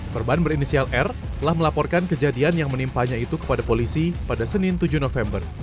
korban berinisial r telah melaporkan kejadian yang menimpanya itu kepada polisi pada senin tujuh november